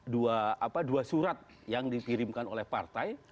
dua apa dua surat yang dipirimkan oleh partai